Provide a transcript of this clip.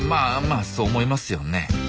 まあそう思いますよね。